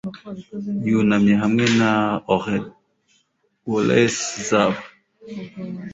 Yunamye hamwe na aureoles zabo